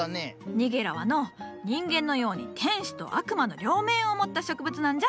ニゲラはのう人間のように「天使」と「悪魔」の両面をもった植物なんじゃ。